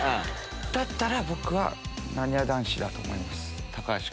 だったら僕はなにわ男子だと思います。